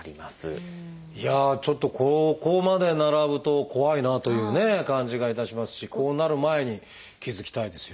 いやあちょっとここまで並ぶと怖いなという感じがいたしますしこうなる前に気付きたいですよね。